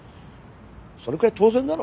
それくらい当然だろ。